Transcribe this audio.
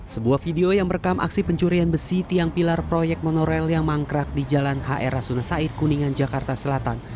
sebuah video yang merekam aksi pencurian besi tiang pilar proyek monorail yang mangkrak di jalan hr rasuna said kuningan jakarta selatan